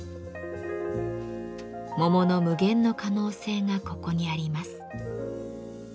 桃の無限の可能性がここにあります。